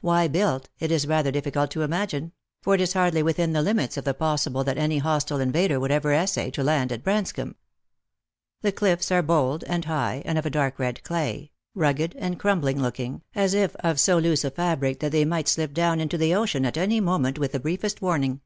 Why built, it is rather difficult to imagine ; for it is hardly within the limits of the possible that any hostile invader would ever essay to land at Branscomb. The cliffs are bold and high, of a dark red clay, rugged and crumbling looking, as if of so loose a fabric that they might slip down into the ocean at any moment with briefest warning.